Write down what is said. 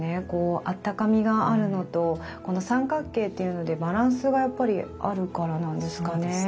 こうあったかみがあるのとこの三角形っていうのでバランスがやっぱりあるからなんですかね。